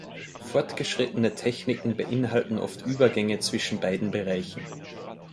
Fortgeschrittene Techniken beinhalten oft Übergänge zwischen beiden Bereichen.